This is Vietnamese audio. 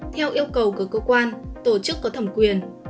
theo yêu cầu của cơ quan tổ chức có thẩm quyền